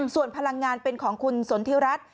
ส่วนพลังงานเป็นของคุณสนทิรัฐ